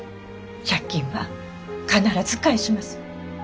借金は必ず返します。